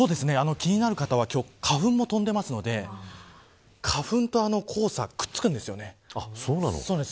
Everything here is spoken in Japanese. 気になる方は今日、花粉も飛んでいますので花粉と黄砂くっつくんですよね。